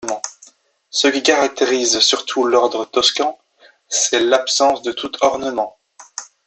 Ce qui caractérise surtout l’ordre toscan, c’est l’absence de tout ornement.